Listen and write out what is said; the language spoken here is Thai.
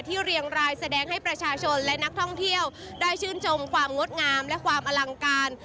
เรียงรายแสดงให้ประชาชนและนักท่องเที่ยวได้ชื่นชมความงดงามและความอลังการ